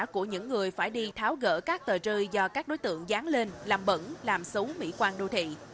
của những người phải đi tháo gỡ các tờ rơi do các đối tượng dán lên làm bẩn làm xấu mỹ quan đô thị